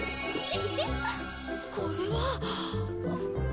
これは！